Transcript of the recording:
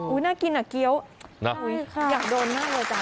อุ้ยน่ากินอ่ะเกี๊ยวอยากโดนน่ะเลยจ้ะ